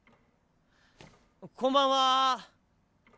こんばんは。